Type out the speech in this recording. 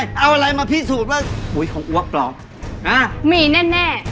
เอาอะไรมาพิสูจน์ว่าปุ๋ยของอัวกรอบอ่ามีแน่แน่